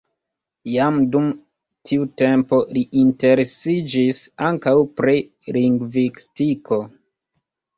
Jam dum tiu tempo li interesiĝis ankaŭ pri lingvistiko.